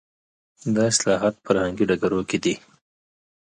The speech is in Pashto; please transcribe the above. دا اصلاحات په فرهنګي ډګرونو کې دي.